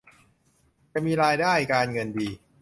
จะมีรายได้การเงินดี